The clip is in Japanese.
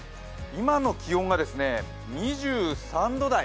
今の気温が２３度台。